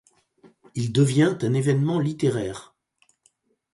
Il devient un événement littéraire.